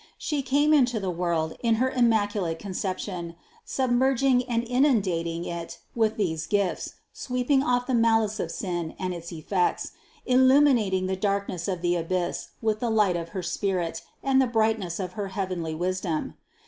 She came into the world in her Immaculate Conception, submerg ing and inundating it with these gifts, sweeping off the malice of sin and its effects, illuminating the darkness of the abyss with the light of her spirit and the brightness of her heavenly wisdom.